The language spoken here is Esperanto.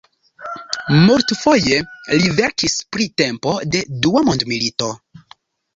Multfoje li verkis pri tempo de Dua mondmilito.